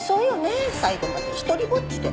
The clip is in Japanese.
最後まで独りぼっちで